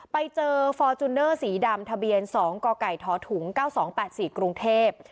ไปเจอฟอร์จูเนอร์สีดำทะเบียน๒กกทถุง๙๒๘๔กรุงเทพ